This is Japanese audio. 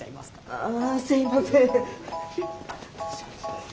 あすいません。